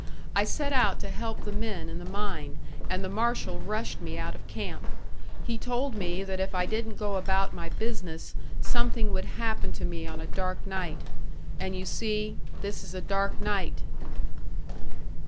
I set out to help the men in the mine, and the marshal rushed me out of camp. He told me that if I didn't go about my business, something would happen to me on a dark night. And you see this is a dark night!"